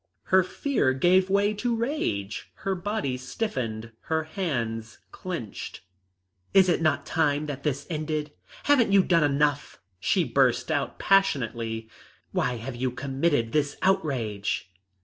Her fear gave way to rage, her body stiffened, her hands clenched. "Is it not time that this ended? Haven't you done enough?" she burst out passionately. "Why have you committed this outrage?"